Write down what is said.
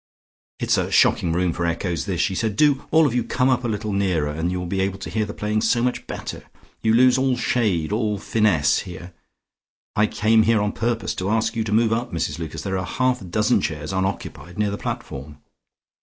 "It's a shocking room for echoes, this," she said. "Do all of you come up a little nearer, and you will be able to hear the playing so much better. You lose all shade, all fineness here. I came here on purpose to ask you to move up, Mrs Lucas: there are half a dozen chairs unoccupied near the platform."